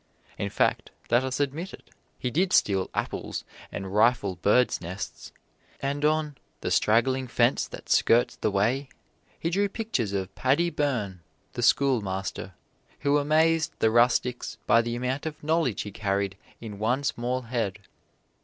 In fact, let us admit it, he did steal apples and rifle birds' nests, and on "the straggling fence that skirts the way," he drew pictures of Paddy Byrne, the schoolmaster, who amazed the rustics by the amount of knowledge he carried in one small head.